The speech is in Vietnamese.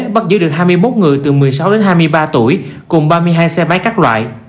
bắt giữ được hai mươi một người từ một mươi sáu đến hai mươi ba tuổi cùng ba mươi hai xe máy các loại